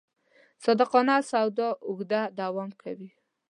صادقانه سودا اوږده دوام کوي.